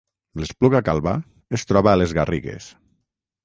L’Espluga Calba es troba a les Garrigues